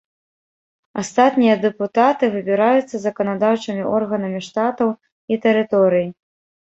Астатнія дэпутаты выбіраюцца заканадаўчымі органамі штатаў і тэрыторый.